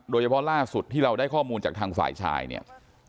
โดยเฉพาะล่าสุดที่เราได้ข้อมูลจากทางฝ่ายชายเนี่ย